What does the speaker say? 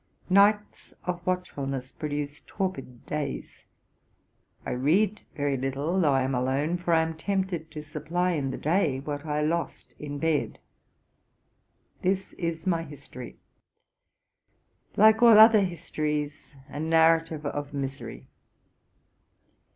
Nights of watchfulness produce torpid days; I read very little, though I am alone; for I am tempted to supply in the day what I lost in bed. This is my history; like all other histories, a narrative of misery.